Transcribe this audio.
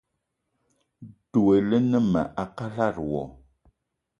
Dwé a ne ma a kalada wo.